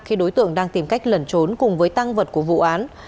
khi đối tượng đang tìm cách lẩn trốn cùng với tăng vật của vụ án